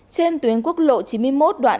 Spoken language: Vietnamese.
trên tuyến quốc lộ chín mươi một đoạn đường